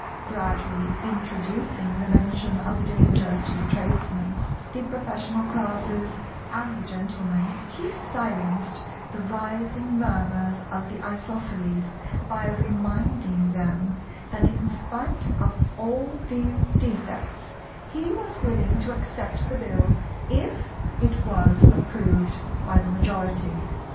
Gradually introduction the mention of the dangers to the Tradesmen, the Professional Classes and the Gentlemen, he silenced the rising murmurs of the Isosceles by reminding them that, in spite of all these defects, he was willing to accept the Bill if it was approved by the majority.